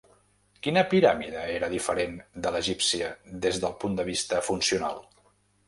Quina piràmide era diferent de l'egípcia des del punt de vista funcional?